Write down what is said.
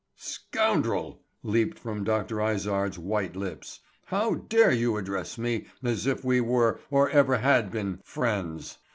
"Scoundrel!" leaped from Dr. Izard's white lips. "How dare you address me as if we were, or ever had been, friends!